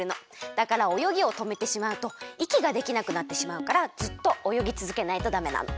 だからおよぎをとめてしまうといきができなくなってしまうからずっとおよぎつづけないとダメなの。